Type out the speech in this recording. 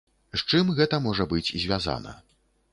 З чым гэта можа быць звязана.